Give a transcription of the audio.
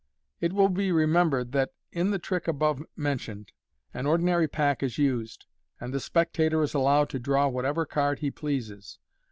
It will be remembered, that, in the trick above mentioned, an ordinary pack is used, and the spectator is allowed to draw whatever card he pleases.